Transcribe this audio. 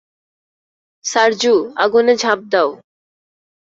সারজু, আগুনে ঝাঁপ দাও।